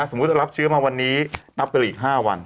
สมมุติรับเชื้อมาวันนี้นับไปอีก๕วัน